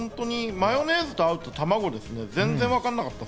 マヨネーズと合うと卵です。